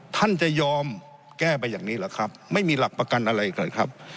ท่านจะยอมแก้ไปอย่างนี้เหรอครับไม่มีหลักประกันอะไรเลยครับ